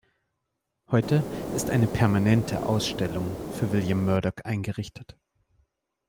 Heute ist eine permanente Ausstellung für William Murdock eingerichtet.